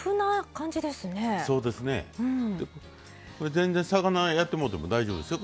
全然魚やってもうても大丈夫ですよ